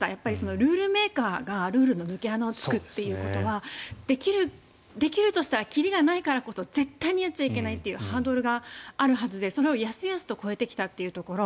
ルールメーカーがルールの抜け穴を作るということはできるとしたら切りがないからこそ絶対にやっちゃいけないというハンドルがあるはずでそれをやすやすと超えてきたというところ。